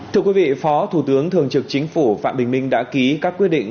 thưa quý vị phó thủ tướng thường trực chính phủ phạm bình minh đã ký các quyết định